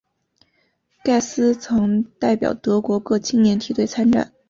盖斯曾代表德国各青年梯队参战。